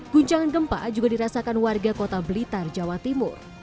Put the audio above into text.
guncangan gempa juga dirasakan warga kota blitar jawa timur